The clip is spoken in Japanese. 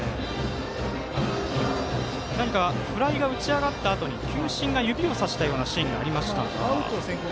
何かフライが打ち上がったあとに球審が指をさしたようなシーンがありましたが。